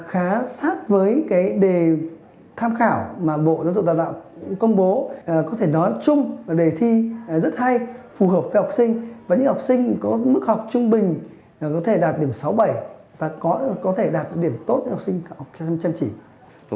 học trung bình có thể đạt điểm sáu bảy và có thể đạt điểm tốt cho học sinh chăm chỉ